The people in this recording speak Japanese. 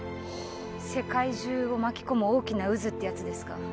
世界中を巻き込む大きな渦ってやつですか？